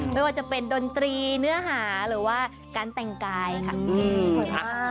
ไม่ว่าจะเป็นดนตรีเนื้อหาหรือว่าการแต่งกายค่ะ